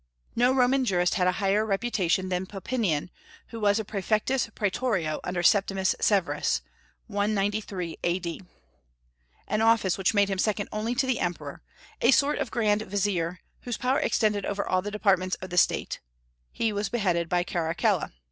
No Roman jurist had a higher reputation than Papinian, who was praefectus praetorio under Septimius Severus (193 A.D.), an office which made him second only to the Emperor, a sort of grand vizier, whose power extended over all departments of the State; he was beheaded by Caracalla.